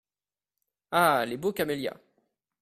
Ah ! les beaux camélias !…